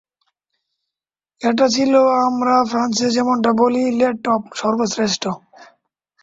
এটা ছিল, আমরা ফ্রান্সে যেমনটা বলি, লে টপ, সর্বশ্রেষ্ঠ।